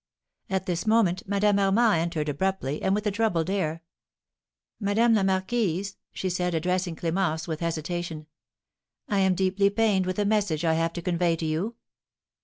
At this moment Madame Armand entered abruptly, and with a troubled air. "Madame la Marquise," she said, addressing Clémence with hesitation, "I am deeply pained with a message I have to convey to you."